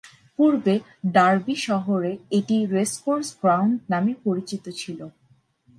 পূর্বে ডার্বি শহরে এটি রেসকোর্স গ্রাউন্ড নামে পরিচিত ছিল।